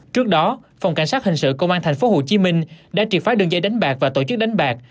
trước đó phòng cảnh sát hình sự công an tp hcm đã triệt phá đường dây đánh bạc và tổ chức đánh bạc